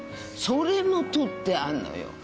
それも取ってあんのよ。